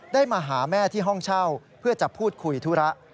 มาหาแม่ที่ห้องเช่าเพื่อจะพูดคุยธุระ